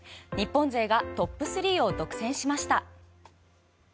日本勢がトップスリーを独占しました。